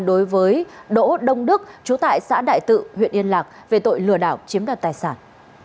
đối với đỗ đông đức chú tại xã đại tự huyện yên lạc về tội lừa đảo chiếm đoạt tài sản